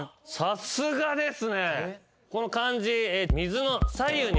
さすがです。